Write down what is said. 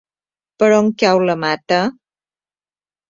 Per on cau la Mata?